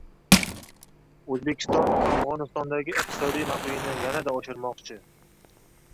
O‘zbekiston Afg‘onistondagi iqtisodiy mavqeini yanada oshirmoqchi